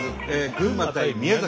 群馬対宮崎。